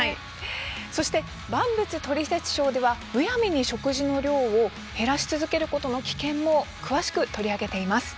そして「万物トリセツショー」ではむやみに食事の量を減らし続けることの危険も詳しく取り上げています。